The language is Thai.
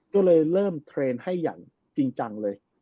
ก็เลยเริ่มเทรนด์ให้อย่างจริงจังเลย